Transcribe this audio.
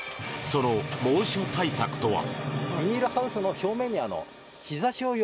その猛暑対策とは？